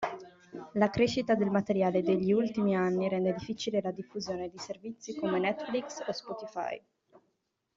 La crescita del materiale degli ultimi anni rende difficile la diffusione di servizi come Netflix o Spotify.